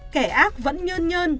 kẻ ác vẫn nhơn nhơn